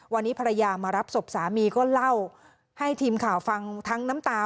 วันนี้ภรรยามารับศพสามีก็เล่าให้ทีมข่าวฟังทั้งน้ำตา